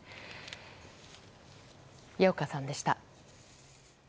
矢岡さんでした。